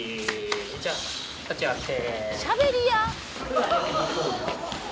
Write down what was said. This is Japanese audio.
じゃあ立ち上がって。